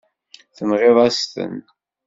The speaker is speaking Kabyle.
Tenɣiḍ-as-ten.